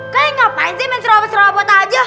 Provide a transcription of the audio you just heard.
kalian ngapain sih main serobot serobot aja